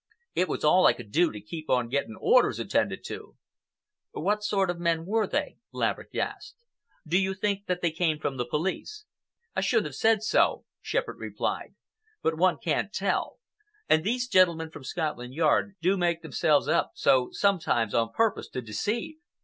It was all I could do to keep on getting orders attended to." "What sort of men were they?" Laverick asked. "Do you think that they came from the police?" "I shouldn't have said so," Shepherd replied, "but one can't tell, and these gentlemen from Scotland Yard do make themselves up so sometimes on purpose to deceive.